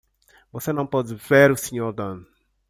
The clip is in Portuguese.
Você não pode ver o Sr. Dan.